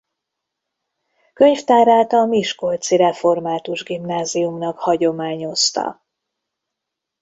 Könyvtárát a miskolci református gimnáziumnak hagyományozta.